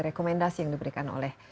rekomendasi yang diberikan oleh